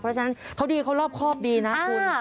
เพราะฉะนั้นเขาดีเขารอบครอบดีนะคุณ